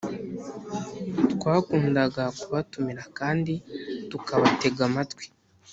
Twakundaga kubatumira kandi tukabatega amatwi